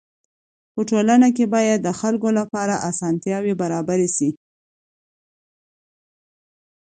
په ټولنه کي باید د خلکو لپاره اسانتياوي برابري سي.